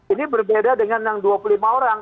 ini berbeda dengan yang dua puluh lima orang